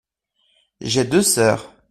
J’ai deux sœurs.